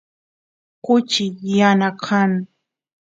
kuchi yana kan